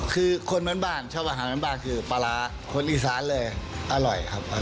คือคนบ้านชอบอาหารพื้นบ้านคือปลาร้าคนอีสานเลยอร่อยครับ